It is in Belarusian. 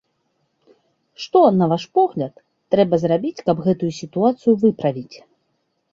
Што, на ваш погляд, трэба зрабіць, каб гэтую сітуацыю выправіць?